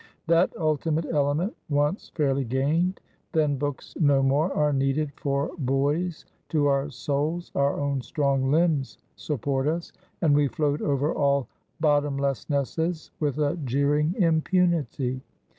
That ultimate element once fairly gained, then books no more are needed for buoys to our souls; our own strong limbs support us, and we float over all bottomlessnesses with a jeering impunity.